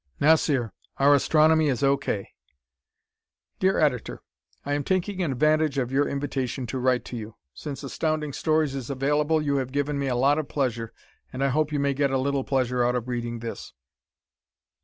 Nossir Our Astronomy Is O. K. Dear Editor: I am taking advantage of your invitation to write to you. Since Astounding Stories is available you have given me a lot of pleasure, and I hope you may get a little pleasure out of reading this.